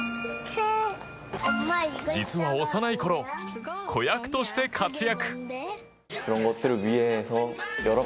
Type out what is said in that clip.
実は幼い頃、子役として活躍。